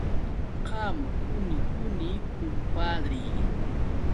Qam quni quni, kumpadri.